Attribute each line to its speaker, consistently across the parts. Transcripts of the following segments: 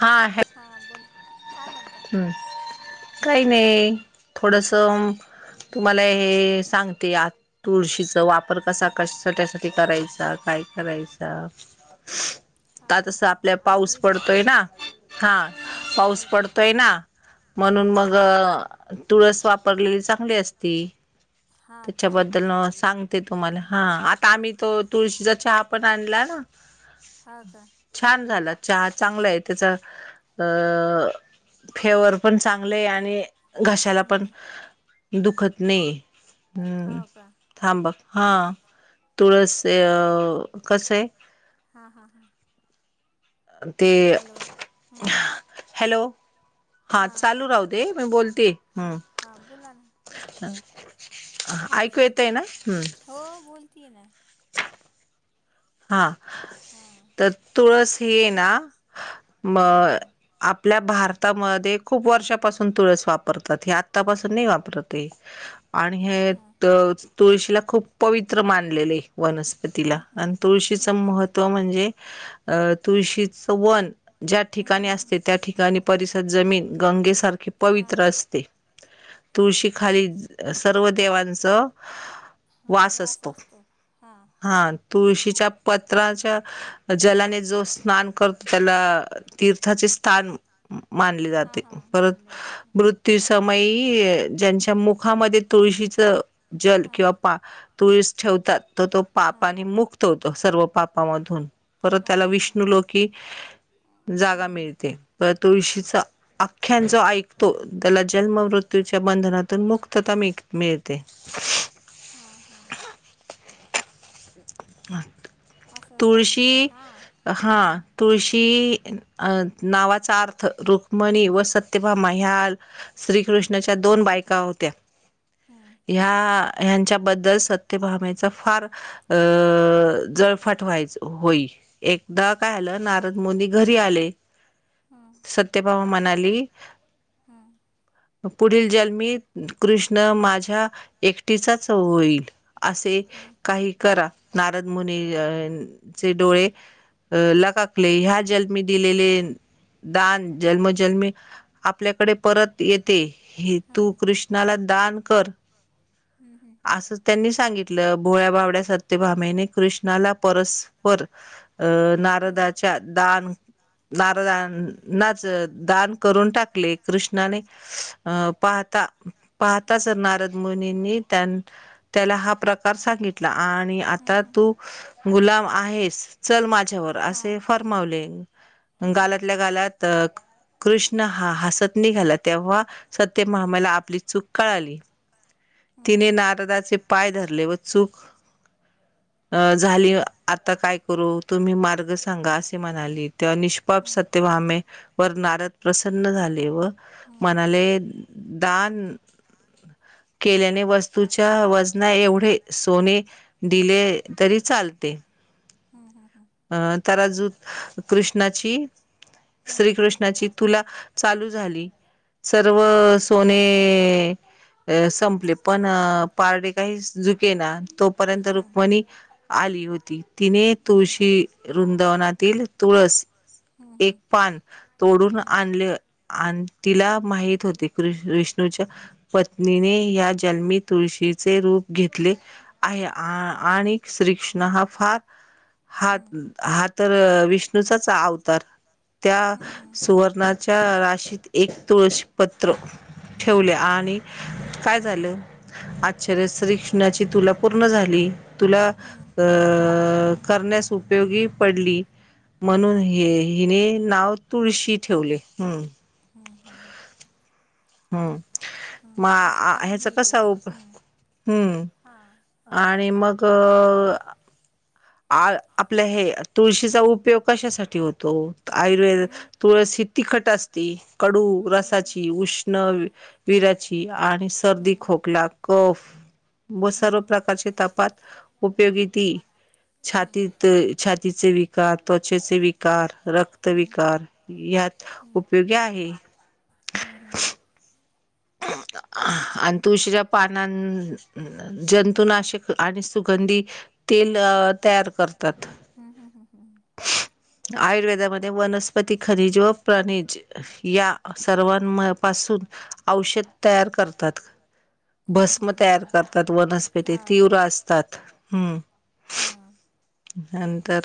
Speaker 1: हा, ह.
Speaker 2: हा बोला, काय म्हणता.
Speaker 1: हम्म, काही नाही, थोडस. तुम्हाला हे सांगते आत, तुळशीचा वापर कसा-कसा त्यासाठी ते करायच, काय करायच. आ तस आपल्या पाऊस पडतोय ना. हा, पाऊस पडतोय ना, म्हणून मग तुळस वापरलेली चांगली असती. त्याच्याबद्दल सांगते तुम्हाला, हा आता आम्ही तो तुळशीचा चहा पण आणला ना
Speaker 2: हा का.
Speaker 1: छान झाला चहा, चांगला आहे. त्याचा अ फेवर पण चांगले आणि घसायला पण दुखत नाही. हम्म, थांब हा, तुळस अ कसं आहे.
Speaker 2: हा-हा-हा.
Speaker 1: ह [unintelligible]
Speaker 2: हॅलो, हम.
Speaker 1: हॅलो, हा चालू राह दे, मी बोलते ह. ह ऐकू येतय ना, हम्म.
Speaker 2: हो, बोलती आहे ना.
Speaker 1: हा.
Speaker 2: हम.
Speaker 1: तुळसीय ही आहे ना म. आपल्या भारतामध्ये खूप वर्षापासून तुळस वापरतात, हे आत्तापासून नाही वापरते. ह [unintelligible] आणि हे त तुळशीला खूप पवित्र मानलेले आहे. वनस्पतीला. तुळशीचं महत्त्व म्हणजे, अ तुळशीचं वन ज्या ठिकाणी असते त्या ठिकाणी परिसर जमीन गंगेसारख कि पवित्र असते, तुळशीखाली सर्व देवांच वास असतो, हा. तुळशीच्या पत्राच्या जलाने जो स्नान करतो त्याला तीर्थाचे स्थान मानले जाते, परत मृत्यू समयी ज्यांच्या मुखामध्ये तुळशीच जल किंवा पा तुळस ठेवतात तर तो पापा आणि मुक्त सर्व पापा मधून, परत त्याला विष्णू लोकी. जागा मिळते, पर विष्णूचा आख्यान जो ऐकतो त्याला जन्मवृत्त तिच्या बंधनातून मुक्तता मिळ-मिळते.
Speaker 2: हां हां.
Speaker 1: हां.
Speaker 2: चं सांगितलंय, हां.
Speaker 1: हा तुळशी, अं नावाचा अर्थ रुक्मिणी व सत् तेव्हा म ह्याल श्रीकृष्णाच्या दोन बायका होत्या. ह्या, ह्यांच्याबद्दल सत्य भामेचा फार, अं जळफाट ठवायच होई, एकदा काय आलं नारद मुनी घरी आले सत्यभाव म्हणाली पुढील जन्मी कृष्ण माझ्या एकटीचाचं अ होईल. असे काही करा. नारद मुनी अ चे डोळे, अ लका ले, ह्या जलमी दिलेले दान, जन्मो जनमी आपल्याकडे परत येते, हे तू कृष्णाला दान कर. असं त्यांनी सांगितलं, भोळ्या भाबड्या सत्यभामेने कृष्णाला परस्पर, अं नारदाच्या दान नारदा नांच दान करून टाकले, कृष्णाने अं पाहता, पाहताच नारद मुनींनी त्यांन त्याला हा प्रकार सांगितला आणि आता तू गुलाम आहेस. चल माझ्याबर असे फरमावले, गालातल्या गालात कृष्ण हा हासत निघाला, तेव्हा सत्यभामेला आपली चूक कळाली. तिने नारदाचे पाय धरले व चूक अं झाली, आता काय करू? तुम्ही मार्ग सांगा असे म्हणाली. त्या निष्पाप, सत्यभामे वर नारद प्रसन्न झाले व म्हणाले दान केल्याने वस्तूच्या वजना एवढे सोने दिले, तरी चालते. अ तराजुत कृष्णाची श्रीकृष्णाची तुला, चालूं झाली. सर्व सोने अं संपले, पण पारडे काही झुके ना, तोपर्यंत रुक्मिणी आली होती, तिने तुळशी ती वृंदावनातील तुळस, एक पान तोडून आणले आन तिला माहित होते, कृष विष्णूच्या पत्नीने या जन्मी, तुळशीचे रूप घेतले. आहे, आ आ आणि श्रीक् ष्णा हा फार हात, हा तर विष्णूचाच अवतार. त्या सुवर्णाच्या राशीत, एक तुळशी पत्र ठेवल आणि काय झालं? आश्चर्य, श्रीकृष्णाची तुला पूर्ण झाली, तुला अं करण्यास उपयोगी पडलीं. म्हणून हे हिने नाव तुळशी ठेवले, हम्म.
Speaker 2: हम्म, हम्म.
Speaker 1: हम्म, मां ह्याच कस उप, हम्म. आणि मग अ अ आळ आपल हे, तुळशीचा उपयोग कशासाठी होतो? आयुर्वेद तुळस ही तिखट असती, कडू रसाची उष्ण पीराची आणि सर्दी, खोकला, कफ. व सर्व प्रकारच्या तापात उपयोगी ती. छातीत, छातीचे विकार, त्वचेचे विकार, रक्त विकार. यांत, उपयोगी आहे.
Speaker 2: हम हं.
Speaker 1: आणि तुळशीच्या पानांत जंतुनाशक आणि सुगंधी तेल तयार करतात. आयुर्वेदामध्ये वनस्पती खनिज, व प्रनिज या सर्वां पासून औषध तयार करतात. भस्म तयार करतात, वनस्पती तीव्र असतात. हम्म. नंतर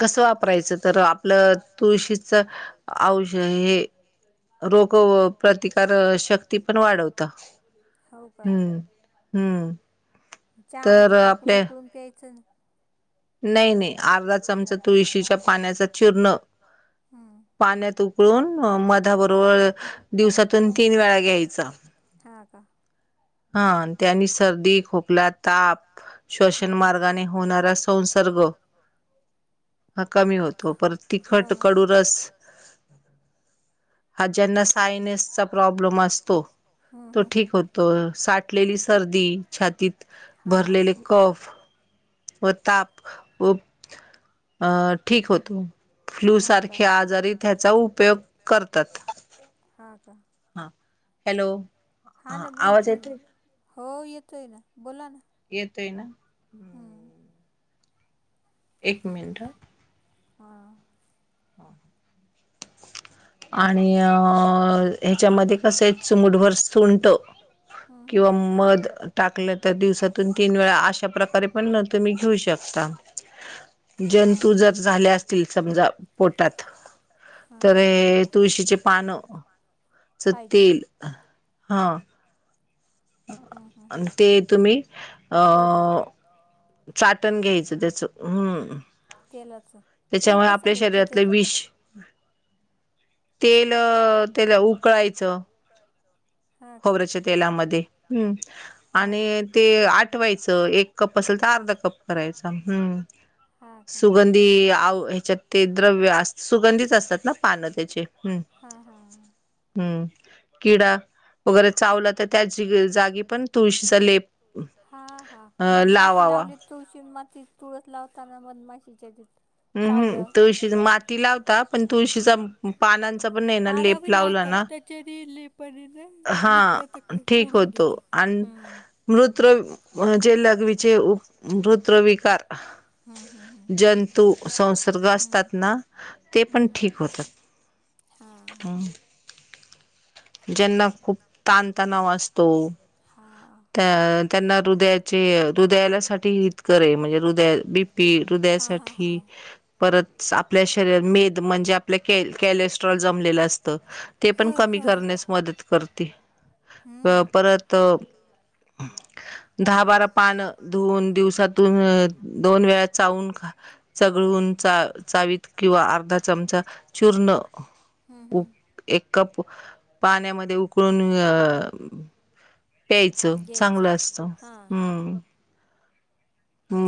Speaker 1: कस वापरायचं तर आपलं तुळशीच औष हे रोग प्रतिकार शक्ती पण वाढवत. हम्म हम्म.
Speaker 2: चहामध्ये टाकून उकळून प्यायचं.
Speaker 1: नाही, नाही अर्धा चमचा तुळशीच्या पाण्याच चिरर्ण पाण्यात उकळून, मधाबरोबर दिवसातून तीन वेळा
Speaker 2: हा का?
Speaker 1: हा, त्यांनी सर्दी, खोकला, ताप, श्वसन मार्गाने होणार
Speaker 2: होणारा संसर्ग
Speaker 1: हा, कमी होतो. परत तिखट कडूरस हा, ज्यांना सायनेसचा प्रॉब्लेम असतो, तो ठीक होतो, साठलेली सर्दी छातीत भरलेले कफ ताप व ठीक होतो. फ्लू सारखे आजार हि त्याचा उपयोग करतात. हा, हॅलो?
Speaker 2: हा ना, बोलतीय ना, हो येतोय ना, बोला ना.
Speaker 1: येतोय ना?
Speaker 2: हम्म.
Speaker 1: एक मिनटं हम.
Speaker 2: हां.
Speaker 1: [inaudible] आणि अ ह्याच्यामध्ये कस ये चूमुठभर सुंट किंवा मध टाकलं तर, दिवसातून तीन वेळा अशा प्रकारे पण तुम्ही घेऊ शकता. जंतू जर झाले असतील समजा पोटात, तर तुळशीचे पान च तेल हा. आणि ते तुम्ही
Speaker 2: पोटात
Speaker 1: चाटण घ्यायचं त्याचं, हम्म.
Speaker 2: तेलाच, तेल कसं निघत त्याच?
Speaker 1: तेल, त्याला उकळायचं.
Speaker 2: उकळायचं.
Speaker 1: तेलामध्ये, आणि ते आटवायचं कप असेल तर अर्धा कप करायचा, हम्म! सुगंधी आव ह्याच्यात ते द्रव्य, अस सुगंधीच असतात ना पानं त्याचे, हम्! हम्म! किडा वैगेरे चावला तर
Speaker 2: हा हा, मधमाशी लावली तुळशी माती तुळस लावताना मधमाशीच्या तिथं
Speaker 1: हम्म हम्, तुळशी माती लावता, पण तुळशीचा पानांचा पण ये ना, लेप लावला ना, हा, ठीक होतो. आणि मृत्र, म्हणजे लघवीचे मृत्रविकार
Speaker 2: हम्म हम्म हम्.
Speaker 1: तू संसर्ग असतात ना, ते पण ठीक होतात.
Speaker 2: हां.
Speaker 1: ज्यांना खूप ताणतणाव असतो.
Speaker 2: हां.
Speaker 1: अ त्यांना हृदयाचे, हृदयाला साठी हितकरयं, म्हणजे हृदया बी पी हृदयासाठी परत आपल्या शरीरात मेद म्हणजे, आपलं कॅलेस्ट्रॉल जमलेलं असतं. ते पण कमी करण्यास मदत करते, अ परत [unintelligible] [inaudible] दहा बारा पान, धुवून दिवसातून दोन वेळा चावून खा चगळून चा चावीत किंवा अर्धा चमचा चूर्ण उ एक कप पाण्यामध्ये उकळून अ प्यायचं चांगलं असतं, हम्म.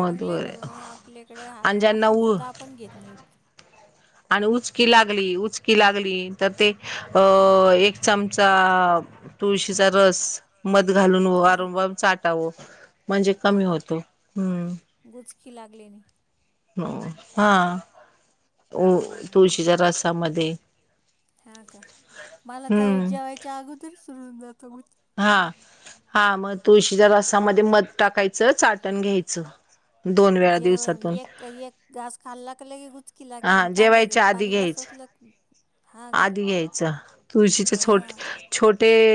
Speaker 2: चांगलयं नव्ह, आपल्याकडे अ असून सुद्धा आपण घेत नाही.
Speaker 1: आणि उचकी लागली, उचकी लागली, तर ते अ एक चमचा तुळशीचा रस, मध घालून व वारवारं चाटावं. म्हणजे कमी होतो, हम्म.
Speaker 2: गुचकी लागल्याने
Speaker 1: हो हा, ओ तुळशीच्या रसामध्ये
Speaker 2: हां का, मला तर जेवायच्या अगोदर सुडून जातो म्ह
Speaker 1: हा हा, मग तुळशीच्या रसामध्ये मध टाकायचं, चाटण घ्यायचं.
Speaker 2: जेवण एक एक घास खायला की गुचकी लागते, मग तांब्या घेऊन पाणी बसवलत [inaudible] हा का, हा,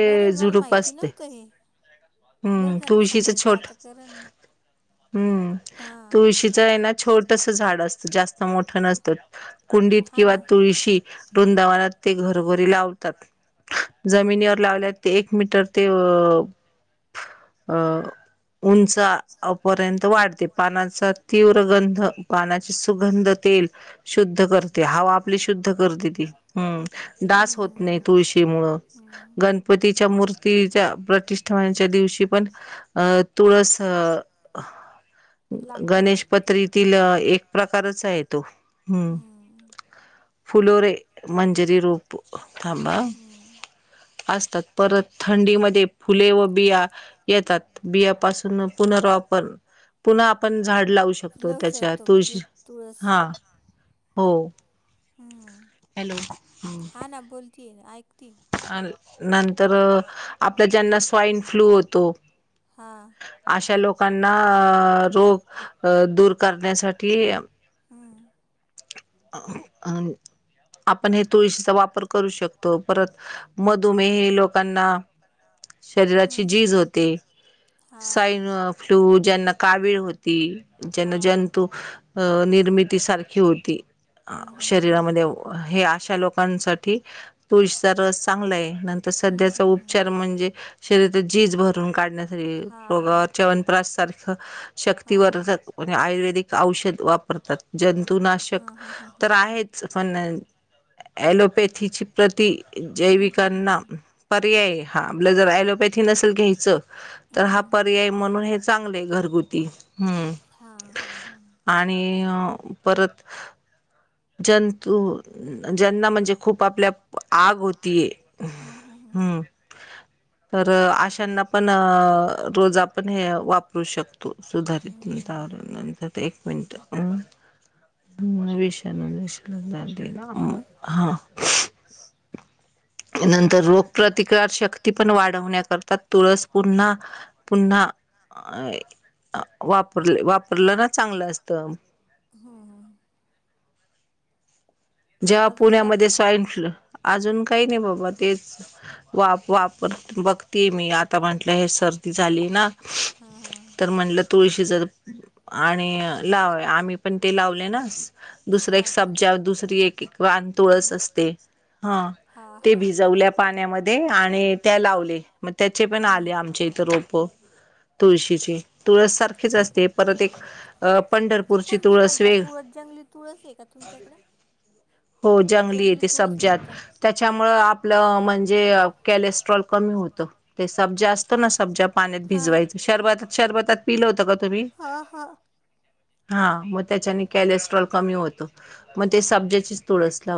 Speaker 2: बरय, मला माहिती नव्हतं हे. बरं झालं सांगितलं, आता करन मी.
Speaker 1: हम्म! तुळशीच आहे ना, छोटस झाडं असतं, जास्त मोठं नसतं. कुंडीत किंवा तुळशी, रुंदावनात ते घरोघरी लावतात. जमिनीवर लावल्या ते एक मीटर ते अ अ उंचा पर्यंत वाढते, पानाचा तीव्र गंध, पानाची सुगंध तेल शुद्ध करते, हवा आपली शुद्ध करते ती, हम्म, डास होत नाही तुळशी मुळं गणपतीच्या मूर्तीच्या प्रतिष्ठानाच्या दिवशी पण, अ तुळस अ गणेश पत्रीतील एक प्रकारच आहे तो, हम्म. फुलोरे मंजरी रोपं थांबा. असतात. परत थंडीमध्ये फुले वग बिया येतात बिया पाासून पुनर्वापर पुन्हा आपण झाड लावू शकतो त्याच्या तुळशी हा हो
Speaker 2: हम्म. हां ना बोलतीय ऐकतीय
Speaker 1: आल् नंतर आपला ज्यांना स्वाईन फ्लू होतो. अशा लोकांनाऽ अ रोग दूर करण्यासाठी [inaudible] अम अम आपण हे तुळशीचा वापर करू शकतो. मधुमेही लोकांना शरीराची झीज होते. स्वाईन फ्लू ज्यांना कावीळ होती. जनजंतू अ निर्मिती सारखी होती. अ शरीरामध्ये हे अश
Speaker 2: हे अश्या लोकांसाठी
Speaker 1: तुळशीचा रस चांगलायं नंतर सध्याचा उपचार म्हणजे शरीरात जीज भरून काढण्या रे भोगावत चवनप्राससारखं शक्तीवर्धक आयुर्वेदिक औषध वाप रतात. जंतुनाशक तर आहेच पण ऍलोपॅथीची प्रति जैविकांना पर्याय हा आपलं जर ॲलोपॅथी नसेल घ्यायचं! तर हा पर्याय म्हणून हे चांगलय घरगुती. हम्म.
Speaker 2: हां हा.
Speaker 1: आणि परत
Speaker 2: परत
Speaker 1: जंतु ज्यांना म्हणजे खूप आपल्या आग होती. हम्म. तर आशांना पण रोज आपण हे वापरू शकतो. सुधारित वर नंतर एक मिनटं विषान आणि विषान [unintelligible] हा.
Speaker 2: [inaudible]
Speaker 1: नंतर रोगप्रतिकार शक्ती पण वाढवण्या करतात तुळस पूर्ण पुन्हा अय अ वापर वापरलं ना चांगलं असतं.
Speaker 2: हम्म हं -
Speaker 1: जेव्हा पुण्यामध्ये स्वाईन फ्लू अजून काही नाही बाबा तेच - - वाप वापर बघते मी आता म्हटलं हे सर्दी झाली ना तर म्हटलं - तुळशी जर आणि लाव आम्ही पण ते लावले ना दुसर एक सब्जा दुसरी एक की एक रान तुळस असते. ह. ते भिजवल्या पाण्यामध्ये आणि त्या लावले मग त्याचे पण आले आमच्या इथं रोप तुळशीचे तुळस सारखीच असते परत एक अ पंढरपूरची तुळस वेग
Speaker 2: जंगली तुळस आहे का तुमच्याकडं?
Speaker 1: हो जंगली येते सब्जात त्याच्यामुळं आपलं म्हणजे कॅलेस्ट्रॉल कमी होतं. ते सब्जा असतो ना सब्जा पाण्यात भिजवायच. शरबतात शरबतात पिलं होतं का तुम्ही? हा मग त्याच्याने कलेस्ट्रॉल कमी होत मग ते सब्ज्याची च तुळस लाव